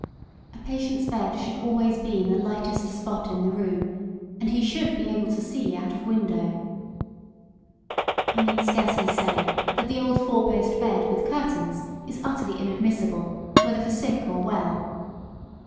] A patient's bed should always be in the lightest spot in the room; and he should be able to see out of window. [Sidenote: Nor a four poster with curtains.] I need scarcely say that the old four post bed with curtains is utterly inadmissible, whether for sick or well.